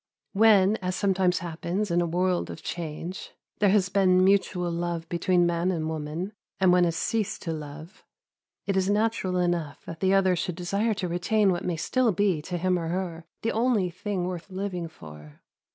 When, as sometimes happens in a world of change, there has been mutual love between man and woman, and one has ceased to love, it is natural enough that the other should desire to retain what may still be, to him or her, the only thing worth living for.